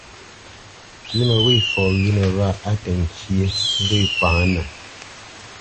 Pʉ̌nə wê fɔ wʉ̌nə wâ á təŋkyé, ŋgwê kwǎŋnə.